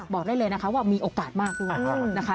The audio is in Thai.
บอกได้เลยว่ามีโอกาสมากด้วย